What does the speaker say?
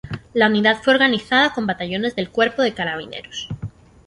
La unidad fue organizada con batallones del Cuerpo de Carabineros.